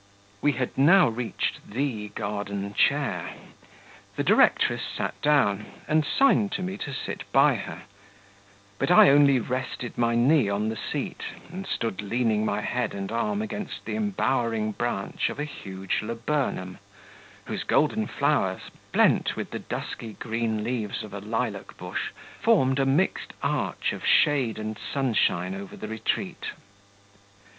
We had now reached THE garden chair; the directress sat down, and signed to me to sit by her, but I only rested my knee on the seat, and stood leaning my head and arm against the embowering branch of a huge laburnum, whose golden flowers, blent with the dusky green leaves of a lilac bush, formed a mixed arch of shade and sunshine over the retreat.